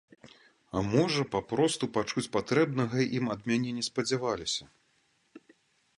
А можа, папросту пачуць патрэбнага ім ад мяне не спадзяваліся.